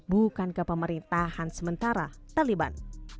bukan ke pemerintahan sementara taliban